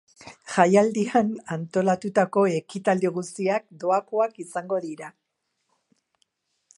Jaialdian antolatutako ekitaldi guztiak doakoak izango dira.